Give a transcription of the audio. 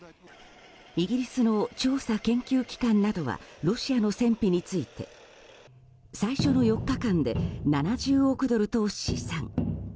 イギリスの調査研究機関などはロシアの戦費について最初の４日間で７０億ドルと試算。